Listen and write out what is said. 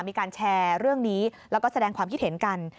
มีการแชร์เรื่องนี้แล้วก็แสดงความคิดเห็นกัน